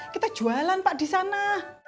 kita jualan pak disana